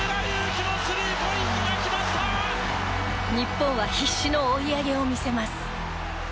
日本は必死の追い上げを見せます。